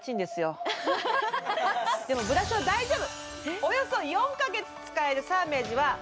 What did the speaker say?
でもブラショは大丈夫。